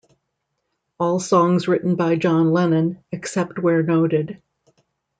All songs written by John Lennon, except where noted.